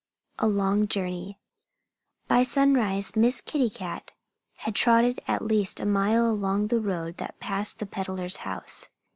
XX A LONG JOURNEY BY SUNRISE Miss Kitty Cat had trotted at least a mile along the road that passed the peddler's house.